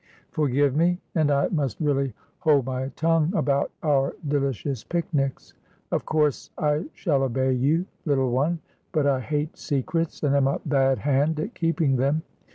' Forgive me. And I must really hold my tongue about our delicious picnics? Of course I shall obey you, little one. But I hate secrets, and am a bad hand at keeping them.